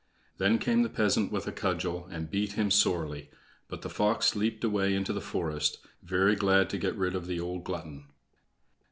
Then came the peasant with a cudgel, and beat him sorely; but the fox leaped away into the forest, very glad to get rid of the old glutton.